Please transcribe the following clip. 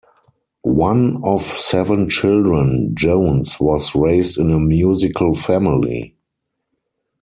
One of seven children, Jones was raised in a musical family.